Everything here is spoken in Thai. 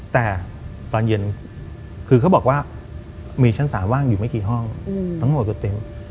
แต่ตอนเย็นคือเขาบอกว่ามีชั้น๓ว่างอยู่ไม่กี่ห้องทั้งหมดคือเต็นต์